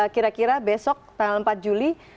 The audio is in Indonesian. kira kira besok tanggal empat juli